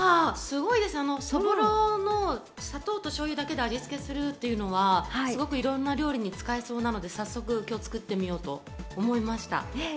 そぼろの、砂糖と醤油だけで味つけするというのはすごくいろんな料理に使えそうなので早速作ってみようと思いました。